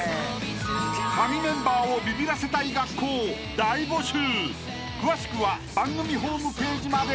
［カギメンバーをビビらせたい学校大募集！］